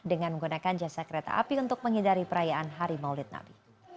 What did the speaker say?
dengan menggunakan jasa kereta api untuk menghindari perayaan hari maulid nabi